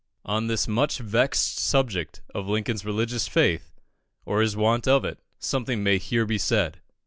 On this much vexed subject of Lincoln's religious faith, or his want of it, something may here be said.